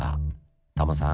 タモさん